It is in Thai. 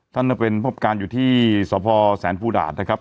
ท่านเป็นพบการอยู่ที่สพแสนภูดาตนะครับ